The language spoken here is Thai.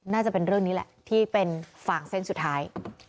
น่าจะเป็นเรื่องนี้แหละที่เป็นฝั่งเส้นสุดท้าย